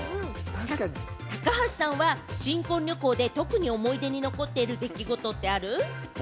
高橋さんは新婚旅行で特に思い出に残っている出来事ってある？